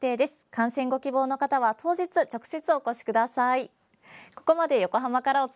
観戦ご希望の方は当日、直接お越しください。